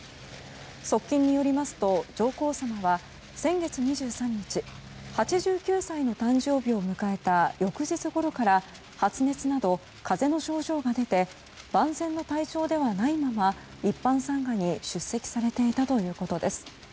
側近によりますと上皇さまは先月２３日８９歳の誕生日を迎えた翌日ごろから発熱など風邪の症状が出て万全な体調ではないまま一般参賀に出席されていたということです。